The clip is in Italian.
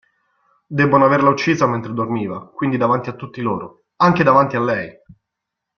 Debbono averla uccisa mentre dormiva, quindi davanti a tutti loro, anche davanti a lei!